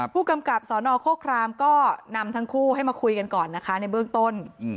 ผู้กำกับสนโฆครามก็นำทั้งคู่ให้มาคุยกันก่อนนะคะในเบื้องต้น